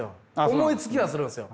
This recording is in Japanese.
思いつきはするんですよ。